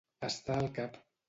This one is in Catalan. Estar al cap.